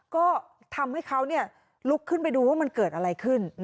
ก็ทำให้เขาลุกขึ้นไปดูว่ามันเกิดอะไรขึ้น